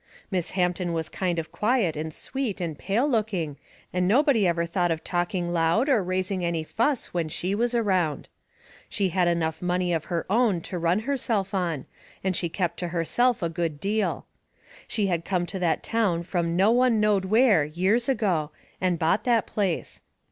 Miss Hampton was kind of quiet and sweet and pale looking, and nobody ever thought of talking loud or raising any fuss when she was around. She had enough money of her own to run herself on, and she kep' to herself a good deal. She had come to that town from no one knowed where, years ago, and bought that place.